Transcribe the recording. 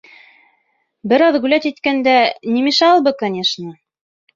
Бер аҙ гулять иткәндә не мешало бы, конешно.